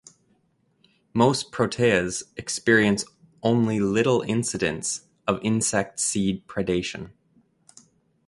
Most proteas experience only little incidence of insect seed predation.